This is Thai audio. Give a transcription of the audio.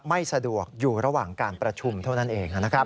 ไม่สะดวกอยู่ระหว่างการประชุมเท่านั้นเองนะครับ